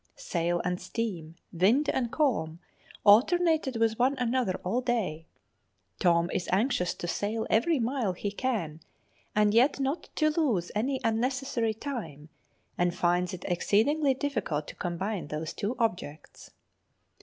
Sail and steam, wind and calm, alternated with one another all day. Tom is anxious to sail every mile he can, and yet not to lose any unnecessary time, and finds it exceedingly difficult to combine these two objects.